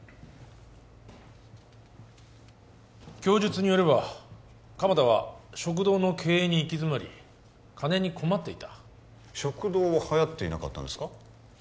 供述によれば鎌田は食堂の経営に行き詰まり金に困っていた食堂ははやっていなかったんですか？